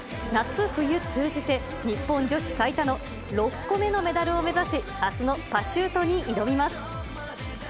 夏冬通じて、日本女子最多の６個目のメダルを目指し、あすのパシュートに挑みます。